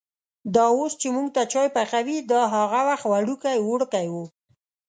دا اوس چې مونږ ته چای پخوي، دا هغه وخت وړوکی وړکی و.